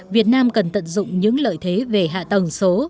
việt nam cần tận dụng những lợi thế về hạ tầng số